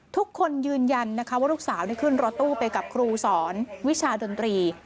ทุกคนยืนยันนะคะว่าลูกสาวขึ้นรถตู้ไปกับครูสอนวิชาดนตรี